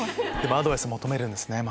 アドバイス求めるんですね。